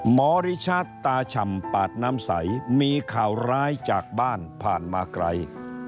หมอริชัดตาฉ่ำปาดน้ำใสมีข่าวร้ายจากบ้านผ่านมาไกล